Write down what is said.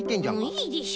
いいでしょ。